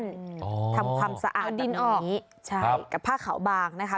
ทำความสะอาดตรงนี้เอาดินออกใช่กับผ้าขาวบางนะคะ